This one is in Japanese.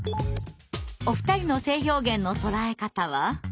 お二人の性表現の捉え方は？